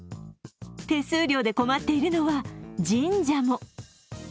手数料で困っているのは神社も。